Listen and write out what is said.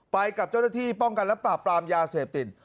ไปกับเจ้าหน้าที่ป้องกันและปราบปรามยาเสพติด